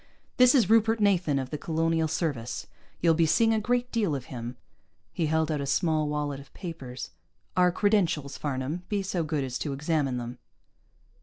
"This is Rupert Nathan, of the Colonial Service. You'll be seeing a great deal of him." He held out a small wallet of papers. "Our credentials, Farnam. Be so good as to examine them."